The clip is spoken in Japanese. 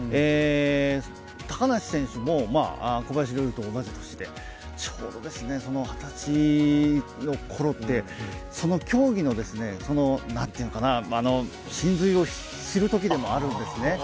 高梨選手も、小林陵侑と同じ年でちょうど２０歳の頃って、その競技のなんというのかな、神髄を知るときでもあるんですね。